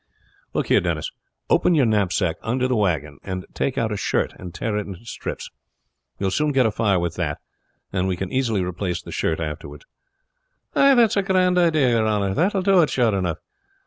"Look here, Denis. Open your knapsack under the wagon, and take out a shirt and tear it into strips. You will soon get a fire with that, and we can easily replace the shirt afterward." "That's a grand idea, your honor. That will do it, sure enough.